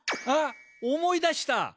あっ思い出した！